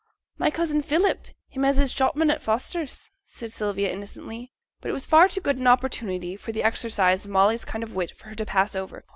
'My cousin Philip, him as is shopman at Foster's,' said Sylvia, innocently. But it was far too good an opportunity for the exercise of Molly's kind of wit for her to pass over.